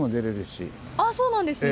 あそうなんですね